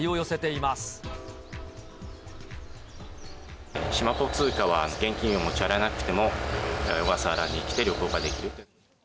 しまぽ通貨は、現金を持ち歩かなくても、小笠原に来て旅行ができる。